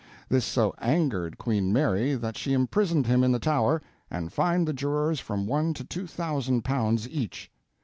This so angered Queen Mary that she imprisoned him in the Tower, and fined the jurors from one to two thousand pounds each.